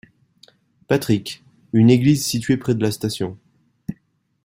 Patrick, une église située près de la station.